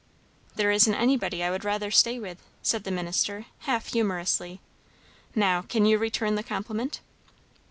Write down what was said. "There isn't anybody I would rather stay with," said the minister, half humourously. "Now, can you return the compliment?"